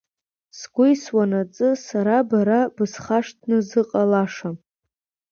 Сгәы еисуанаҵы, сара бара бысхашҭны зыҟалашам!